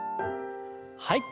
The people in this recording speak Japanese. はい。